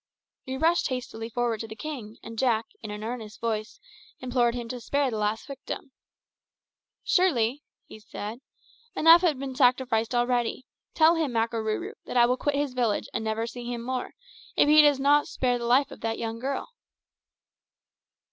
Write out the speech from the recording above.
We rushed hastily forward to the king, and Jack, in an earnest voice, implored him to spare the last victim. "Surely," said he, "enough have been sacrificed already. Tell him, Makarooroo, that I will quit his village and never see him more if he does not spare the life of that young girl."